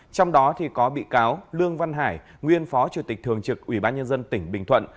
trong đó có bị cáo lương văn hải nguyên phó chủ tịch thường trực ủy ban nhân dân tỉnh bình thuận